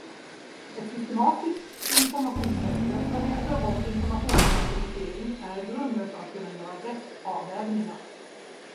Ett systematiskt informationssäkerhetsarbete och informationsklassificering är grunden för att kunna göra rätt avvägningar.